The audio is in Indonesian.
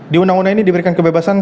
di undang undang ini diberikan kebebasan